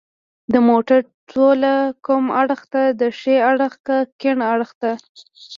د موټر توله کوم اړخ ته ده ښي اړخ که کیڼ اړخ ته